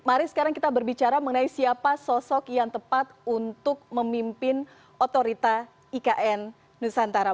mari sekarang kita berbicara mengenai siapa sosok yang tepat untuk memimpin otorita ikn nusantara